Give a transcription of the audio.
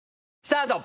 スタート！